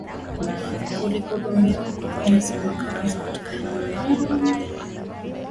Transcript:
kuwahudumia waliopoteza makazi katika maeneo yaliyoathiriwa